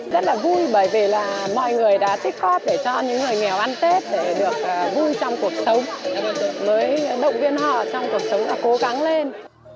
rất là vui bởi vì là mọi người đã tích góp để cho những người nghèo ăn tết để được vui trong cuộc sống mới động viên họ trong cuộc sống và cố gắng lên